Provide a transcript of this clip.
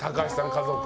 家族。